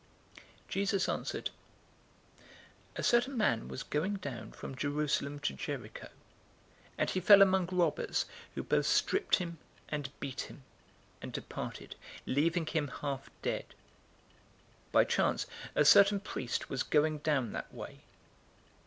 010:030 Jesus answered, "A certain man was going down from Jerusalem to Jericho, and he fell among robbers, who both stripped him and beat him, and departed, leaving him half dead. 010:031 By chance a certain priest was going down that way.